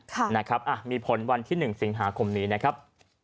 ค่ะนะครับอ่ะมีผลวันที่๑สิงหาคมนี้นะครับ